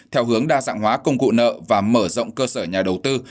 theo hướng đa dạng hóa công cụ nợ và mở rộng cơ sở nhà đầu tư